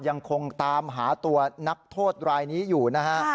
ยังคงตามหาตัวนักโทษรายนี้อยู่นะฮะ